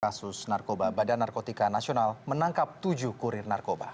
kasus narkoba badan narkotika nasional menangkap tujuh kurir narkoba